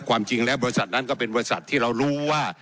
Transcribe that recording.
ความจริงแล้วบริษัทนั้นก็เป็นบริษัทที่เรารู้ว่า